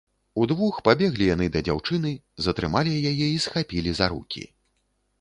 Удвух пабеглі яны да дзяўчыны, затрымалі яе і схапілі за рукі.